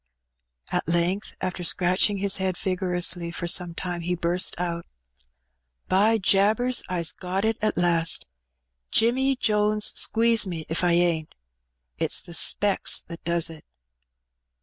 At length, after scratching his head vigorously for some time^ he burst out —'' By jabers ! I's got it at last !— Jimmy Jones squeeze me if I ain^t ! It^s the specks that does it.'